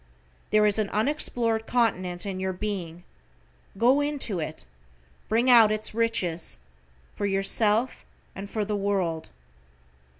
There is an unexplored continent in your Being. Go into it, bring out its riches, for yourself and for the world.